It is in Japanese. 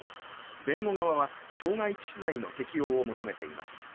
弁護側は傷害致死罪の適用を求めています。